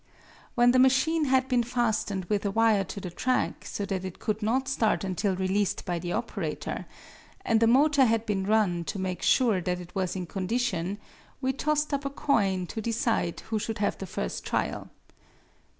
When the machine had been fastened with a wire to the track, so that it could not start until released by the operator, and the motor had been run to make sure that it was in condition, we tossed up a coin to decide who should have the first trial.